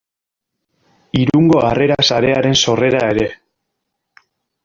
Irungo Harrera Sarearen sorrera ere.